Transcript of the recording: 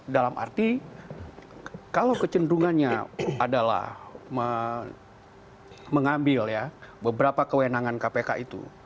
dalam arti kalau kecenderungannya adalah mengambil beberapa kewenangan kpk itu